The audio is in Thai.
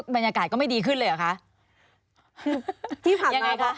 บรรยากาศก็ไม่ดีขึ้นเลยเหรอคะ